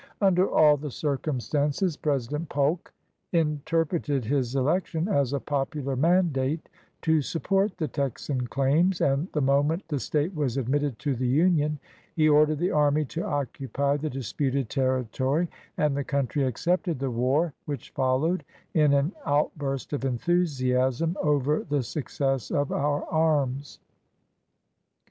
Under all the circumstances, President Polk interpreted his election as a popular mandate to support the Texan claims, and the moment the State was admitted to the Union he ordered the army to occupy the dis puted territory, and the country accepted the war which followed in an outburst of enthusiasm over the success of our arms.